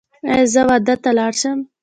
ایا زه واده ته لاړ شم؟